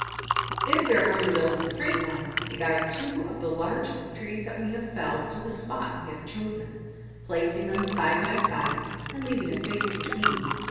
"If we are going to build a straight one, we guide two of the largest trees that we have felled to the spot we have chosen, placing them side by side, and leaving a space between.